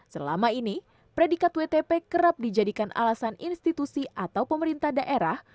selama ini predikat wtp kerap dijadikan alasan institusi atau pemerintah daerah